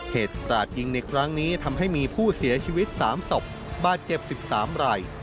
กราดยิงในครั้งนี้ทำให้มีผู้เสียชีวิต๓ศพบาดเจ็บ๑๓ราย